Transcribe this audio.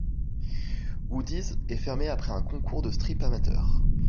Woody's est fermé après un concours de strip amateur.